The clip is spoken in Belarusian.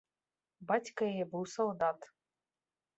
Бацька яе быў салдат.